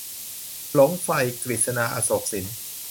หลงไฟ - กฤษณา อโศกสิน